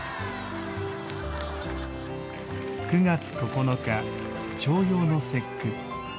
９月９日、重陽の節句。